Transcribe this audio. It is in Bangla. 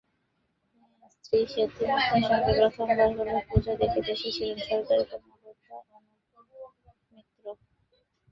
স্ত্রী সেতু মিত্রের সঙ্গে প্রথমবার হলে পূজা দেখতে এসেছেন সরকারি কর্মকর্তা অনুপ মিত্র।